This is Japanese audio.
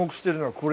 これ。